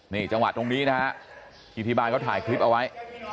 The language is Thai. นี่จังหวะตรงนี้นะฮะอิทธิบาลเขาถ่ายคลิปเอาไว้